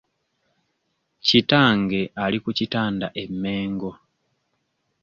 Taata wange ali ku kitanda e Mengo.